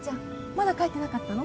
まだ帰ってなかったの？